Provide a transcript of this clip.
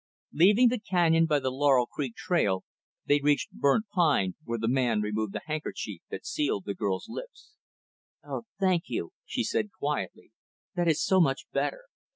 Leaving the canyon by the Laurel Creek trail, they reached Burnt Pine, where the man removed the handkerchief that sealed the girl's lips. "Oh, thank you," she said quietly. "That is so much better."